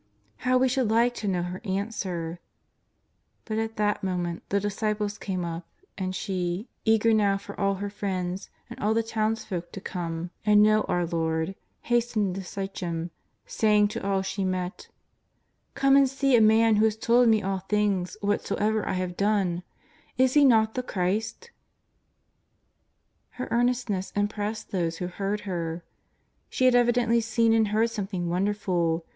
How we should like to know her answer! Put at that moment the disciples came up, and she, eager now for all her friends and all the townsfolk to come and ICO JESUS OF NAZARETH. know our Lord, hastened into Sichem saying to all she met: " Come and see a Man who has told me all things whatsoever I have done. Is not He the Christ ?'' Her earnestness impressed those who heard her. She had evidently seen and heard something wonderful.